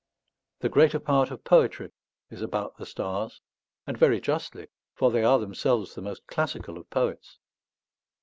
The greater part of poetry is about the stars; and very justly, for they are themselves the most classical of poets.